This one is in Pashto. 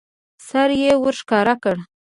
سر يې ورښکل کړ.